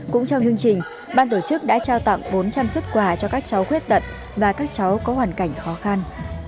cũng trong chương trình ban tổ chức đã trao tặng bốn trăm linh xuất quà cho các cháu khuyết tật và các cháu có hoàn cảnh khó khăn